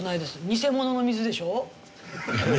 偽物の水でしょ？